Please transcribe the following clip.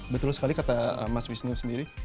betul sekali kata mas wisnu sendiri